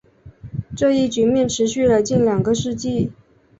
这一局面持续了近两个世纪。